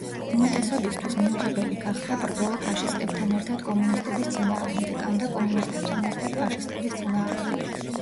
უმეტესობისთვის მიუღებელი გახდა ბრძოლა ფაშისტებთან ერთად კომუნისტების წინააღმდეგ, ანდა კომუნისტებთან ერთად ფაშისტების წინააღმდეგ.